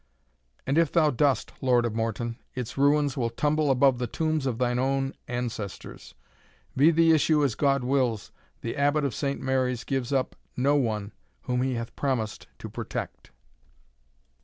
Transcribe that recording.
"And if thou dost, Lord of Morton, its ruins will tumble above the tombs of thine own ancestors. Be the issue as God wills, the Abbot of Saint Mary's gives up no one whom he hath promised to protect."